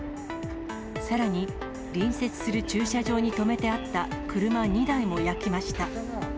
さらに、隣接する駐車場に止めてあった車２台も焼きました。